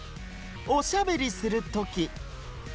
おしゃべりするとき。